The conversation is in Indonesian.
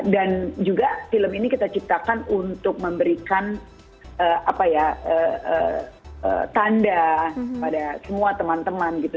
dan juga film ini kita ciptakan untuk memberikan tanda pada semua teman teman gitu